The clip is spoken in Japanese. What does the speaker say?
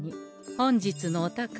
本日のお宝